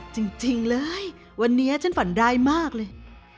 จริงเลยวันนี้ฉันฝันร้ายมากเลย